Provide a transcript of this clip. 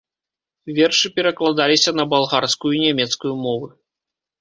Вершы перакладаліся на балгарскую і нямецкую мовы.